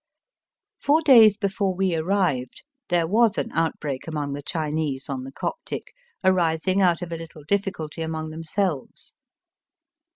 Four days before we arrived there was an outbreak among the Chinese on the Coptic^ arising out of a little difficulty among them selves.